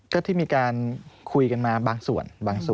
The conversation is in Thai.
ก็ที่มีการคุยกันมาบางส่วน